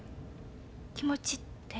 気持ちって？